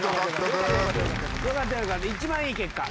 一番いい結果。